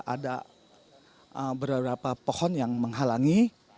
ada beberapa pohon yang menghalangi